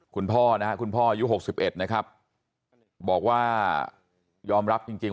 คุณพ่อนะครับคุณพ่ออายุ๖๑นะครับบอกว่ายอมรับจริง